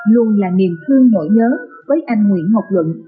luôn là niềm thương nổi nhớ với anh nguyễn ngọc luận